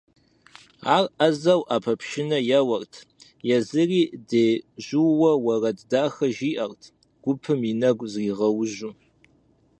Ар ӏэзэу ӏэпэпшынэ еуэрт, езыри дежьуужу, уэрэд дахэу жиӏэрт, гупым я нэгу зригъэужьу.